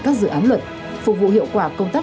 các dự án luật phục vụ hiệu quả công tác